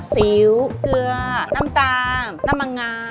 สิวเกลือน้ำตาลน้ำมังงา